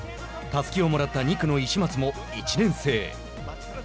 たすきをもらった２区の石松も１年生。